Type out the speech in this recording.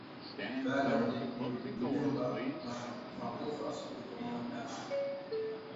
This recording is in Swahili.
Bana nilomba makuta asubui kwa dada